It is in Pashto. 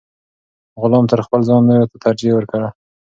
غلام تر خپل ځان نورو ته ترجیح ورکړه.